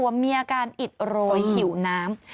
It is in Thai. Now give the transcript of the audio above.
ตัวเมียการอิดโรยหิวน้ำ